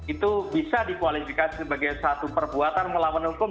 itu bisa dikualifikasi sebagai satu perbuatan melawan hukum